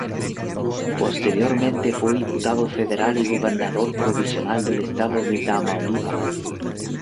Posteriormente fue diputado federal y gobernador provisional del estado de Tamaulipas.